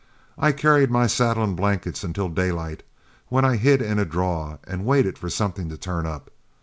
I carried my saddle and blankets until daylight, when I hid in a draw and waited for something to turn up.